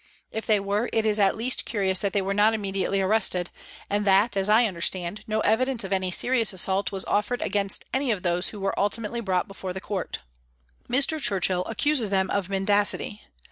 If they were, it is at least curious that they were not immediately arrested, and that, aa I understand, no evidence of any serious assault was offered against any of those who were ultimately brought before the Court. ..." Mr. Churchill accuses them of mendacity.